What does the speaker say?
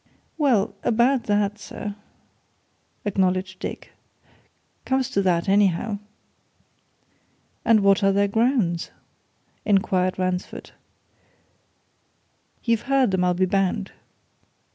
"Well about that, sir," acknowledged Dick. "Comes to that, anyhow." "And what are their grounds?" inquired Ransford. "You've heard them, I'll be bound!"